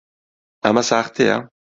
ئەمە ساختەیە؟